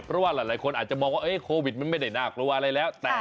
เพราะว่าหลายคนอาจจะมองว่าโควิดมันไม่ได้น่ากลัวอะไรแล้ว